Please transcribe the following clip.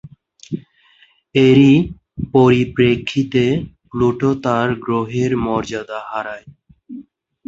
এরই পরিপ্রেক্ষিতে প্লুটো তার গ্রহের মর্যাদা হারায়।